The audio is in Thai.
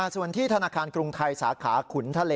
ส่วนที่ธนาคารกรุงไทยสาขาขุนทะเล